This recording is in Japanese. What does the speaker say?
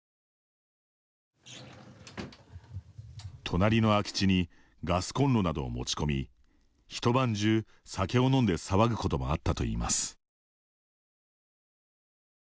隣の空き地にガスこんろなどを持ち込み一晩中、酒を飲んで騒ぐこともあったといいます。